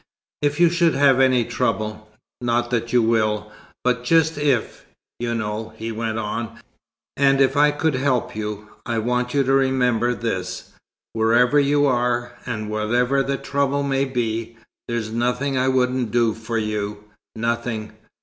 "If you should have any trouble not that you will but just 'if,' you know," he went on, "and if I could help you, I want you to remember this, wherever you are and whatever the trouble may be; there's nothing I wouldn't do for you nothing.